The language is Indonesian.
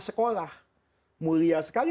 sekolah mulia sekali